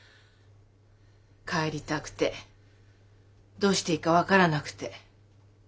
帰りたくてどうしていいか分からなくて。